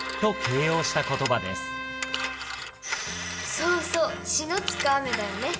そうそう「篠突く雨」だよね。